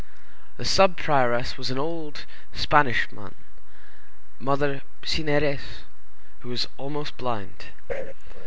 The sub prioress was an old Spanish nun, Mother Cineres, who was almost blind.